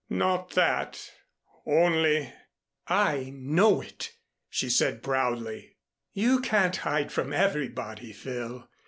"Not that only " "I know it," she said proudly. "You can't hide from everybody, Phil.